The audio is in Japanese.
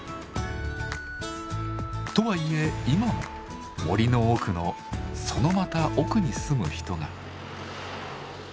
とはいえ今も森の奥のそのまた奥に住む人が。